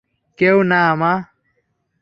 কেউ না, মা!